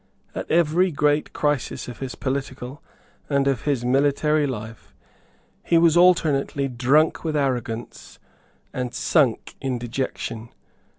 At every great crisis of his political and of his military life he was alternately drunk with arrogance and sunk in dejection.